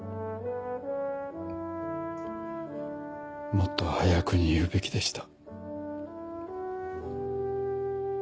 もっと早くに言うべきでした。